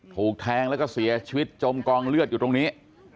ถูกแทงแล้วก็เสียชีวิตจมกองเลือดอยู่ตรงนี้